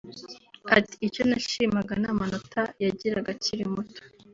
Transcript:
ati “Icyo nashimaga n’amanota yagiraga akiri umwana